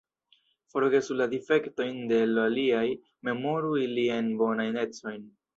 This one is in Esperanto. Forgesu la difektojn de l' aliaj, memoru iliajn bonajn ecojn.